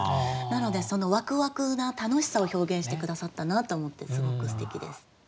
なのでそのワクワクな楽しさを表現して下さったなと思ってすごくすてきです。